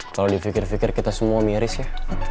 kalau dipikir pikir kita semua miris ya